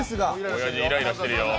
おやじイライラしてるよ。